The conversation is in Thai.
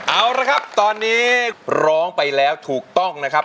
เอาละครับตอนนี้ร้องไปแล้วถูกต้องนะครับ